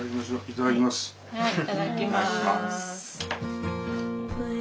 いただきます。